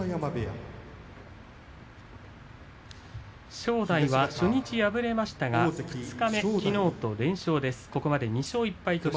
正代は初日敗れましたが二日目きのうと連勝です。